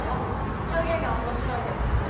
表現が面白いとか。